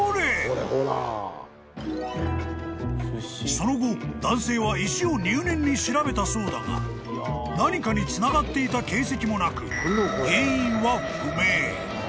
［その後男性は石を入念に調べたそうだが何かにつながっていた形跡もなく］